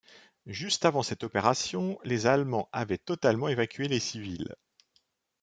Juste avant cette opération, les Allemands avaient totalement évacués les civils.